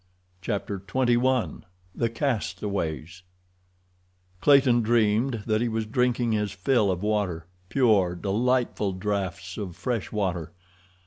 Chapter XXI The Castaways Clayton dreamed that he was drinking his fill of water, pure, delightful drafts of fresh water.